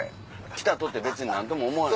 来たとて別に何とも思わない。